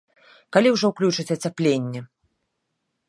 Калі ўжо ўключаць ацяпленне?